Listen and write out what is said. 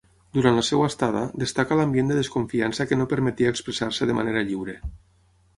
Durant la seva estada, destaca l'ambient de desconfiança que no permetia expressar-se de manera lliure.